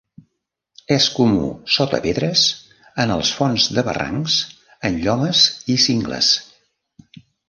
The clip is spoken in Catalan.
És comú sota pedres en el fons de barrancs, en llomes i cingles.